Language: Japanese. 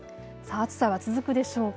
暑さは続くでしょうか。